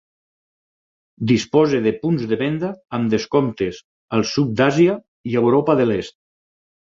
Disposa de punts de venda amb descomptes al sud d'Àsia i Europa de l'Est.